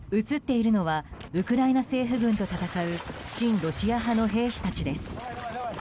映っているのはウクライナ政府軍と戦う親ロシア派の兵士たちです。